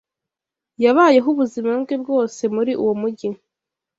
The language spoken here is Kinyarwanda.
Yabayeho ubuzima bwe bwose muri uwo mujyi.